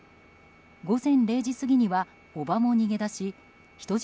午後０時過ぎには叔母も逃げ出し人質